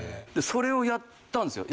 それをやったんですよ。